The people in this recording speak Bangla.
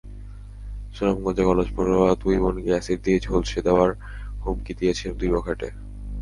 সুনামগঞ্জে কলেজপড়ুয়া দুই বোনকে অ্যাসিড দিয়ে ঝলসে দেওয়ার হুমকি দিয়েছে দুই বখাটে।